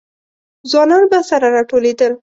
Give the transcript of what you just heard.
ځوانان به سره راټولېدل.